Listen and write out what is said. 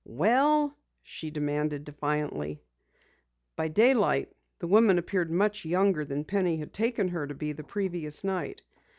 "Well?" she demanded defiantly. By daylight the woman appeared much younger than Penny had taken her to be the previous night.